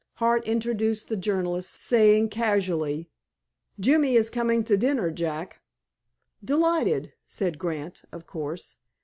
Hart introduced the journalist, saying casually: "Jimmie is coming to dinner, Jack." "Delighted," said Grant, of course.